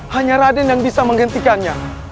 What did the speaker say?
hanya raden yang bisa menghentikannya